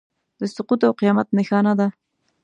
د سقوط او قیامت نښانه ده.